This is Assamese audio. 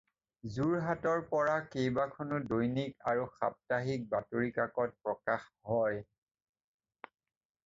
যোৰহাটৰ পৰা কেইবাখনো দৈনিক আৰু সাপ্তাহিক বাতৰি কাকত প্ৰকাশ হয়।